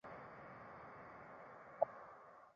于尾端及后胸或头部分别有丝线连结。